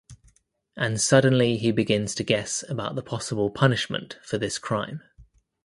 And suddenly he begins to guess about the possible punishment for this crime.